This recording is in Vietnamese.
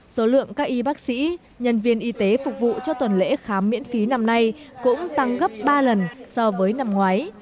số lượng các y bác sĩ nhân viên y tế phục vụ cho tuần lễ khám miễn phí năm nay cũng tăng gấp ba lần so với năm ngoái